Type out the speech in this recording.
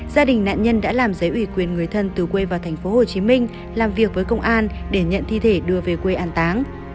gia đình nạn nhân đã làm giấy ủy quyền người thân từ quê vào tp hcm làm việc với công an để nhận thi thể đưa về quê an táng